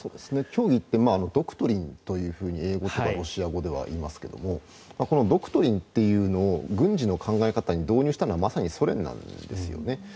教義ってドクトリンと英語とかロシア語では言いますがドクトリンというのを軍事の考え方に導入したのはまさにソ連なんですよね。